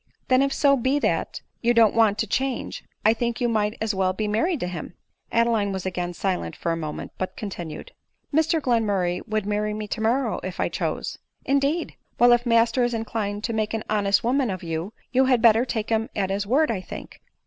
" Then if so be that you don't want to change, I think you might as well be married to him." Adeline was again silent for a moment, but continued —" Mr Glenmurray would marry me tomorrow, if I chose." " Indeed ! Well if master ifr inclined to make an hon est woman of you, you had better take him at his word, I think."